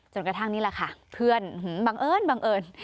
จนกระทั่งนี้แหละค่ะเพื่อนบังเอิญ